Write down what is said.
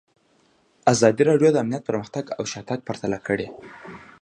ازادي راډیو د امنیت پرمختګ او شاتګ پرتله کړی.